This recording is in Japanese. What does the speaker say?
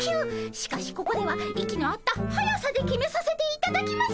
しかしここでは息の合った速さで決めさせていただきます。